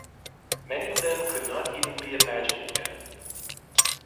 Many of them could not even be imagined yet.